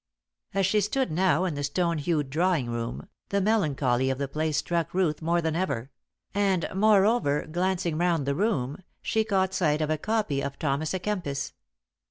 As she stood now in the stone hued drawing room, the melancholy of the place struck Ruth more than ever; and, moreover, glancing round the room, she caught sight of a copy of Thomas a Kempis.